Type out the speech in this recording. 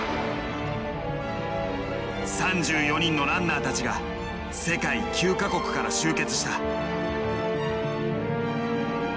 ３４人のランナーたちが世界９か国から集結した。